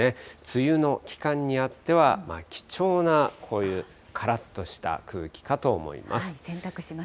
梅雨の期間にあっては、貴重なこういう、からっとした空気かと思います。